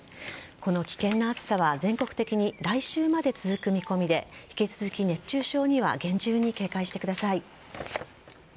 この危険な暑さは全国的に来週まで続く見込みで引き続き熱中症には厳重に警戒してください。